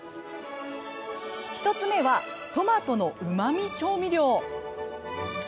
１つ目はトマトのうまみ調味料。